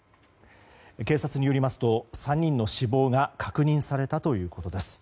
警察によりますと、３人の死亡が確認されたということです。